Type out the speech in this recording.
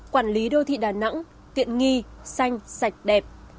quản lý đô thị đà nẵng tiện nghi xanh sạch đẹp